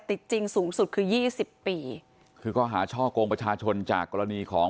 จริงสูงสุดคือยี่สิบปีคือข้อหาช่อกงประชาชนจากกรณีของ